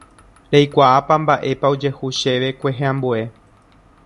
Reikuaápa mba'épa ojehu chéve kueheambue.